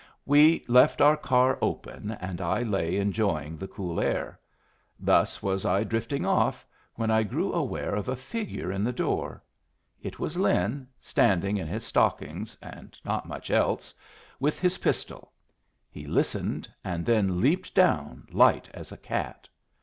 We left our car open, and I lay enjoying the cool air. Thus was I drifting off, when I grew aware of a figure in the door. It was Lin, standing in his stockings and not much else, with his pistol. He listened, and then leaped down, light as a cat.